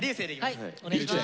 お願いします。